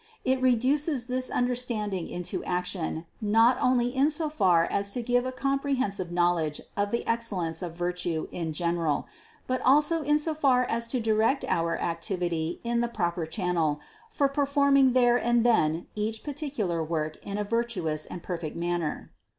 It reduces this understanding into action, not only in so far as to give a comprehensive knowledge of the excellence of virtue in general, but also in so far as to direct our activity in the proper channel for per forming there and then each particular work in a vir tuous and perfect manner.